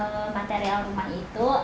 sebenarnya pilih material rumah itu